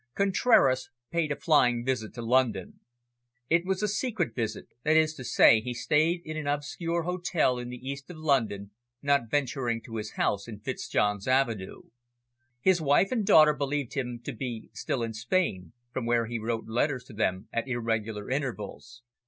Contraras paid a flying visit to London. It was a secret visit, that is to say he stayed in an obscure hotel in the East of London, not venturing to his house in Fitzjohn's Avenue. His wife and daughter believed him to be still in Spain, from where he wrote letters to them at irregular intervals.